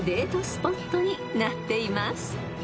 スポットになっています］